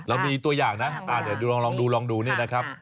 เรามีตัวอย่างนะเดี๋ยวลองดูนี่แหละครับ